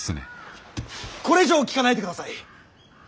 これ以上聞かないでください。